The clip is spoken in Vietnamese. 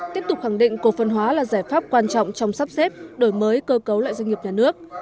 tiếp tục khẳng định cổ phân hóa là giải pháp quan trọng trong sắp xếp đổi mới cơ cấu lại doanh nghiệp nhà nước